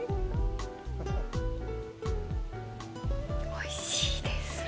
おいしいです。